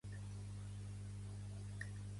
La companyia no actuarà amb vestits aquesta nit.